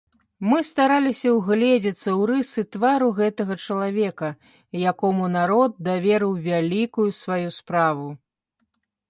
Мы стараліся ўгледзецца ў рысы твару гэтага чалавека, якому народ даверыў вялікую сваю справу.